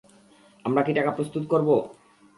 আমরা কি টাকা প্রস্তুত করব?